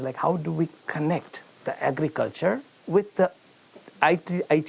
yang penting adalah bagaimana kita menghubungkan pertanian dengan teknologi digital